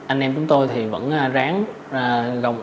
anh em chúng tôi thì vẫn ráng